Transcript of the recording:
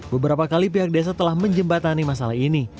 beberapa kali pihak desa telah menjembatani masalah ini